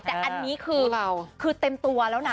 แต่อันนี้คือเต็มตัวแล้วนะ